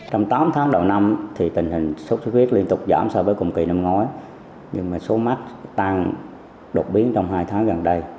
trong tám tháng đầu năm thì tình hình sốt xuất huyết liên tục giảm so với cùng kỳ năm ngoái nhưng mà số mắc tăng đột biến trong hai tháng gần đây